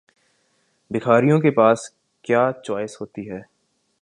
بھکاریوں کے پاس کیا چوائس ہوتی ہے؟